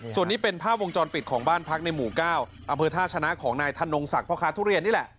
ส่วนนี้เป็นภาพวงจรปิดของบ้านพักในหมู่๙อำเภอท่าชนะของนายธนงศักดิ์พ่อค้าทุเรียนนี่แหละ